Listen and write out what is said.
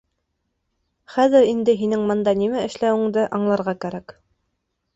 Хәҙер инде һинең бында нимә эшләүеңде аңларға кәрәк.